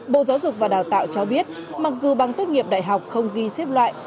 bộ giáo dục và đào tạo cho biết mặc dù bằng tốt nghiệp đại học không ghi xếp loại